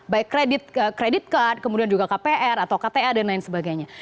baik kredit card kemudian juga kpr atau kta dan lain sebagainya